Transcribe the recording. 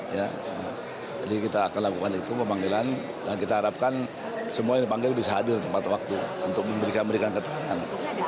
jadi kita akan lakukan itu pemanggilan dan kita harapkan semua yang dipanggil bisa hadir tepat waktu untuk memberikan ketangan